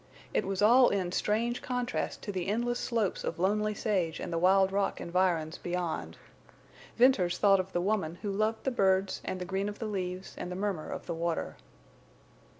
It was all in strange contrast to the endless slopes of lonely sage and the wild rock environs beyond. Venters thought of the woman who loved the birds and the green of the leaves and the murmur of the water.